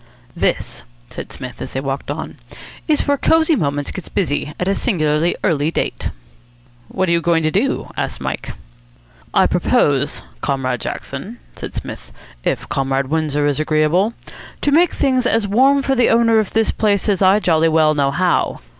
"This," said Psmith, as they walked on, "is where Cosy Moments gets busy at a singularly early date." "What are you going to do?" asked Mike. "I propose, Comrade Jackson," said Psmith, "if Comrade Windsor is agreeable, to make things as warm for the owner of this place as I jolly well know how.